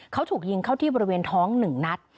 เขาถูกยิงเข้าที่บริเวณท้อง๑นัด